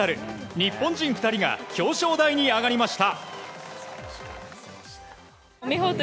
日本人２人が表彰台に上がりました。